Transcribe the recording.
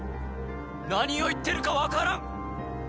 何を言ってるかわからん！